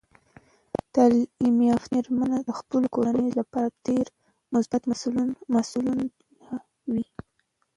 تعلیم یافته میرمنې د خپلو کورنیو لپاره ډیر مثبت مثالونه وي.